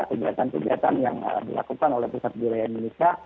kegiatan kegiatan yang dilakukan oleh pusat budaya indonesia